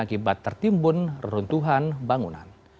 akibat tertimbun runtuhan bangunan